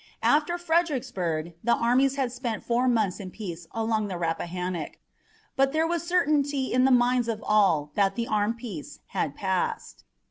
After Fredericksburg the armies had spent four months in peace along the Rappahannock, but there was a certainty in the minds of all that the armed peace had passed.